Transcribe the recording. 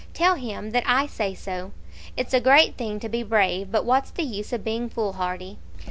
Tell him that I say so. It's a great thing to be brave; but what's the use of being foolhardy?"